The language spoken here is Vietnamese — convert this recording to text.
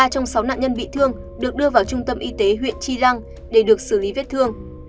ba trong sáu nạn nhân bị thương được đưa vào trung tâm y tế huyện chi lăng để được xử lý vết thương